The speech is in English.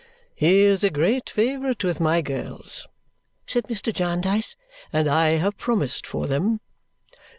"He is a great favourite with my girls," said Mr. Jarndyce, "and I have promised for them."